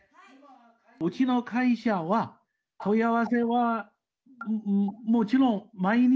うちの会社は、問い合わせはもちろん毎日。